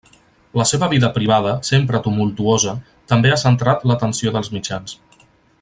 La seva vida privada, sempre tumultuosa, també ha centrat l'atenció dels mitjans.